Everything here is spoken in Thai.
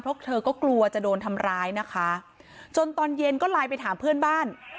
เพราะเธอก็กลัวจะโดนทำร้ายนะคะจนตอนเย็นก็ไลน์ไปถามเพื่อนบ้าน